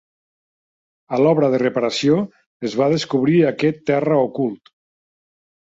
A l'obra de reparació es va descobrir aquest terra ocult.